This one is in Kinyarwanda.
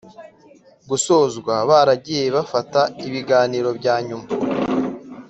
gusozwa baragiye bafata ibiganiro byanyuma